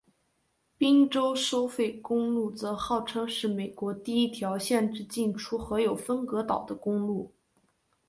宾州收费公路则号称是美国第一条限制进出和有分隔岛的公路。